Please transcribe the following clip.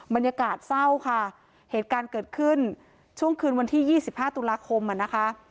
บรรยากาศเศร้าค่ะเหตุการณ์เกิดขึ้นช่วงคืนวันที่๒๕ตุลาคมอ่ะนะคะ